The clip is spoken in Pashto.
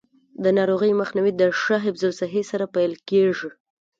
د ناروغیو مخنیوی د ښه حفظ الصحې سره پیل کیږي.